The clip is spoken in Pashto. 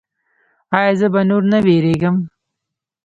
ایا زه به نور نه ویریږم؟